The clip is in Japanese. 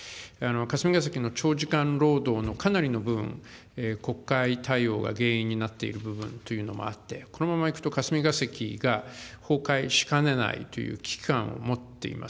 霞が関の長時間労働のかなりの部分、国会対応が原因になっている部分というのもあって、このままいくと、霞が関が崩壊しかねないという危機感を持っています。